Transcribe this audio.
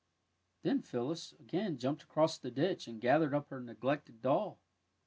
Then Phyllis again jumped across the ditch and gathered up her neglected doll.